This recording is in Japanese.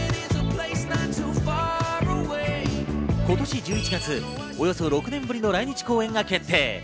今年１１月、およそ６年ぶりの来日公演が決定。